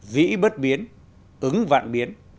dĩ bất biến ứng vạn biến